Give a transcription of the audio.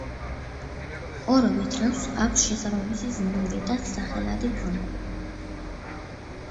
ორობით რიცხვს აქვს შესაბამისი ზმნური და სახელადი ფორმები.